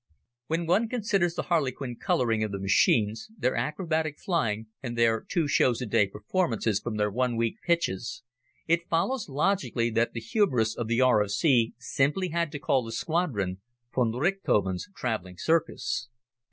When one considers the harlequin coloring of the machines, their acrobatic flying and their "two shows a day" performances from their one week pitches, it follows logically that the humorists of the R.F.C. simply had to call the squadron "von Richthofen's Traveling Circus."